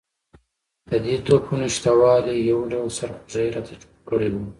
د دې توپونو شته والی یو ډول سرخوږی راته جوړ کړی وو.